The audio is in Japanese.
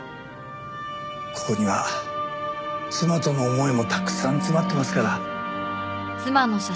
ここには妻との思いもたくさん詰まってますから。